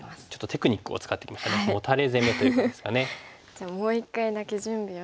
じゃあもう一回だけ準備をして。